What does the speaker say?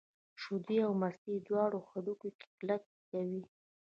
شیدې او مستې دواړه هډوکي کلک کوي.